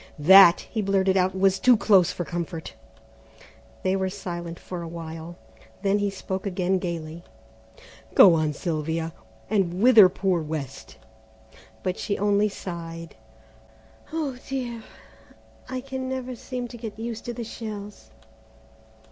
"That," he blurted out, "was too near for comfort." They were silent for a while, then he spoke again gaily: "Go on, Sylvia, and wither poor West;" but she only sighed, "Oh, dear, I can never seem to get used to the shells."